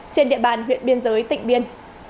trên địa bàn huyện biên giới tỉnh biên